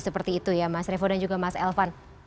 seperti itu ya mas revo dan juga mas elvan